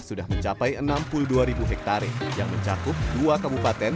sudah mencapai enam puluh dua ribu hektare yang mencakup dua kabupaten